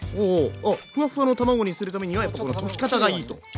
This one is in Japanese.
あフワフワの卵にするためにはやっぱこの溶き方がいいと。